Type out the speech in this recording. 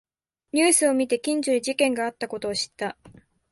ニュースを見て近所で事件があったことを知った